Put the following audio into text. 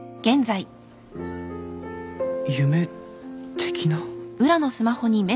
夢的な？